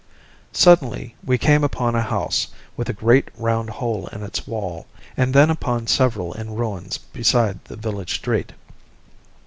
Suddenly we came upon a house with a great round hole in its wall, and then upon several in ruins beside the village street.